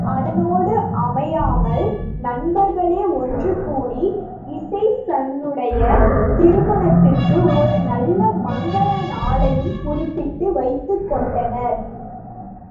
அதனோடு அமையாமல் நண்பர்களே ஒன்றுகூடி இசைச்சனுடைய திருமணத்திற்கு ஒரு நல்ல மங்கல நாளையும் குறிப்பிட்டு வைத்துக் கொண்டனர்.